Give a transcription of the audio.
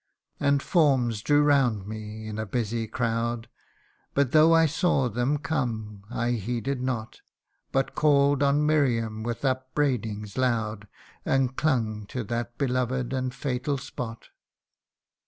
And forms drew round me, in a busy crowd : But though I saw them come, I heeded not, But call'd on Miriam with upbraidings loud, And clung to that beloved and fatal spot.